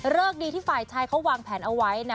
คดีที่ฝ่ายชายเขาวางแผนเอาไว้นะ